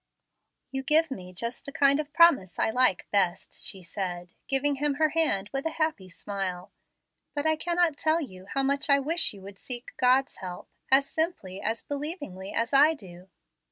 "You give me just the kind of promise I like best," she said, giving him her hand with a happy smile. "But I can not tell you how much I wish you could seek God's help, as simply, as believingly, as I do."